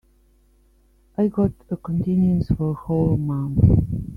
I got a continuance for a whole month.